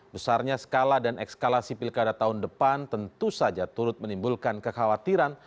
besarnya skala dan ekskalasi pilkada tahun depan tentu saja turut menimbulkan kekhawatiran